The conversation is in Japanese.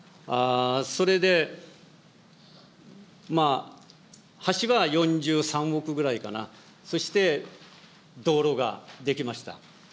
それで、橋は４３億ぐらいかな、そして道路が出来ました。